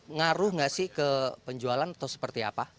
ngaruh nggak sih ke penjualan atau seperti apa